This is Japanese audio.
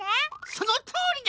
そのとおりだ。